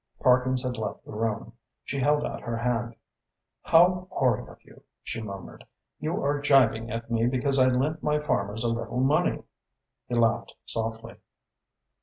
Parkins had left the room. She held out her hand. "How horrid of you!" she murmured. "You are gibing at me because I lent my farmers a little money." He laughed softly.